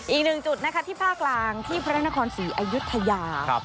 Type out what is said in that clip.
อีกหนึ่งจุดนะคะที่ภาคกลางที่พระนครศรีอายุทยา